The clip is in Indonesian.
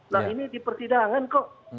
nah ini di persidangan kok